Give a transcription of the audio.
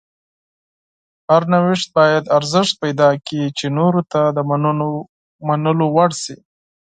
هر نوښت باید ارزښت پیدا کړي چې نورو ته د منلو وړ شي.